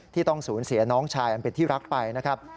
ที่ต้องสูญเสียน้องชายอันเป็นที่รักไปนะครับ